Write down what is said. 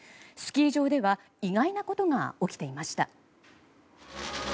スキー場では意外なことが起きていました。